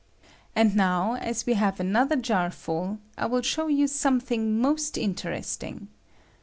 And now, as we have another jar full, I will show you some thing, most interesting.